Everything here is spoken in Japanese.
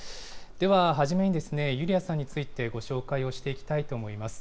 では初めに、ユリヤさんについてご紹介をしていきたいと思います。